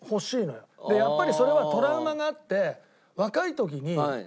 やっぱりそれはトラウマがあって。